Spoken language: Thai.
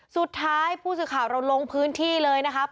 สุดท้ายผู้สื่อข่าวเราลงพื้นที่เลยนะครับ